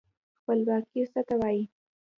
خپلواکي څه ته وايي؟